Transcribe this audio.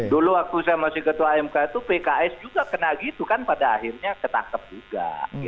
dulu waktu saya masih ketua mk itu pks juga kena gitu kan pada akhirnya ketangkep juga